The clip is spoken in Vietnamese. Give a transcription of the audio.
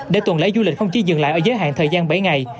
để tuần lễ du lịch không chỉ dừng lại ở giới hạn thời gian bảy ngày